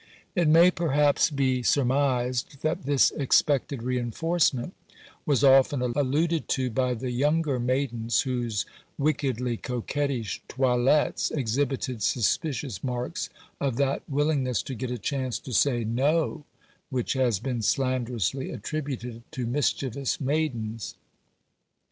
It may perhaps be surmised that this expected reinforcement was often alluded to by the younger maidens, whose wickedly coquettish toilettes exhibited suspicious marks of that willingness to get a chance to say 'No,' which has been slanderously attributed to mischievous maidens.